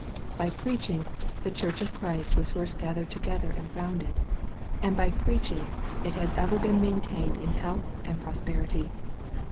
By preaching, the Church of Christ was first gathered together and founded, and by preaching, it has ever been maintained in health and prosperity.